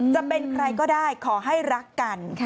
จะเป็นใครก็ได้ขอให้รักกัน